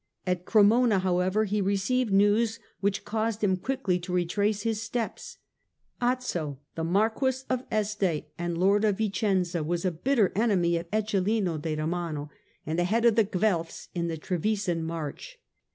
At Cremona, however, he received news which caused him quickly to retrace his steps. Azzo, the Marques of Este and lord of Vicenza, was a bitter enemy of Eccelin de Romano and the head of the Guelfs in the Trevisan March.